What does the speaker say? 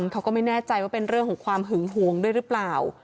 เขาก็ไม่แน่ใจว่าเป็นเรื่องของความหึงหวงด้วยหรือเปล่า